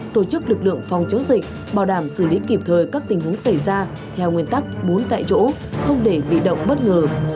tổ chức lực lượng phòng chống dịch bảo đảm xử lý kịp thời các tình huống xảy ra theo nguyên tắc bốn tại chỗ không để bị động bất ngờ